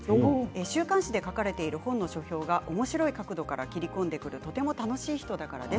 週刊誌で書かれている本の書評がおもしろい角度から切り込んでくるとても楽しい人だからです。